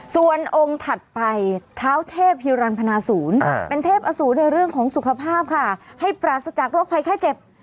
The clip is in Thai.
ส่วนองค์ถัดไปเท้าเทพฮิรันพนาศูนย์เป็นเทพอสูรในเรื่องของสุขภาพค่ะให้ปราศจากโรคภัยไข้เจ็บ